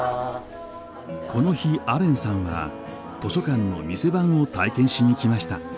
この日彩連さんは図書館の店番を体験しに来ました。